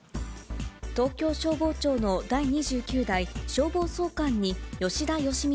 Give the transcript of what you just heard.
東京消防庁の第２９代消防総監に、吉田義実